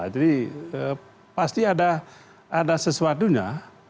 jadi pasti ada sesuatunya